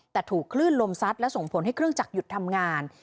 แต่ถูกคลื่นลมซัดและส่งผลให้เครื่องจักรหยุดทำงาน